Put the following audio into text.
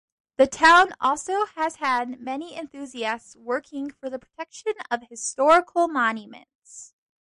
The town also has had many enthusiasts working for the protection of historical monuments.